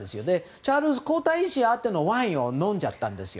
チャールズ皇太子宛てのワインを飲んじゃったんですよ。